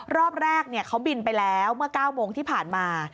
รอบแรกเขาบินไปแล้วเมื่อ๙โมงที่ผ่านมา